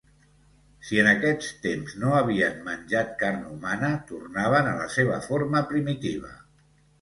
Si en aquest temps no havien menjat carn humana, tornaven a la seva forma primitiva.